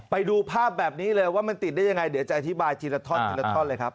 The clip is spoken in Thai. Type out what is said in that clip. ไปดูภาพแบบนี้เลยว่ามันติดได้ยังไงเดี๋ยวจะอธิบายทีละท่อนทีละท่อนเลยครับ